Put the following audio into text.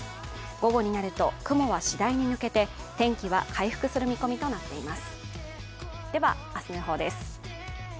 午後になると雲は次第に抜けて天気は回復する見込みとなっています。